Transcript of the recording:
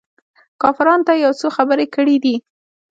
کافرانو ته يې يو څو خبرې کړي دي.